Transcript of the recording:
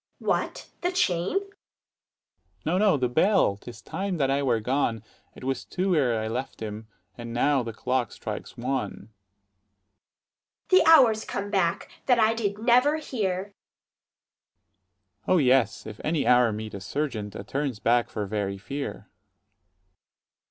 Adr. What, the chain? Dro. S. No, no, the bell: 'tis time that I were gone: It was two ere I left him, and now the clock strikes one. Adr. The hours come back! that did I never hear. 55 Dro. S. O, yes; if any hour meet a sergeant, 'a turns back for very fear. _Adr.